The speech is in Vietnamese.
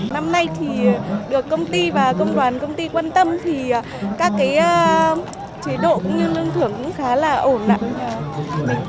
năm nay thì được công ty và công đoàn công ty quan tâm thì các chế độ cũng như lương thưởng cũng khá là ổn nặng